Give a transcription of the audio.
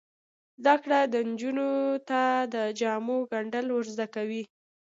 زده کړه نجونو ته د جامو ګنډل ور زده کوي.